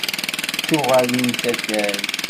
D tuɣalin s akal.